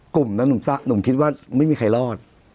กลุ่มนั้นหนุ่มคิดว่าไม่มีใครรอด